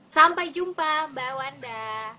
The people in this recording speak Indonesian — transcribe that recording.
sampai jumpa mba wanda